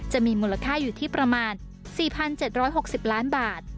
จะมีมูลค่าอยู่ที่ประมาณ๔๗๖๐ล้านบาท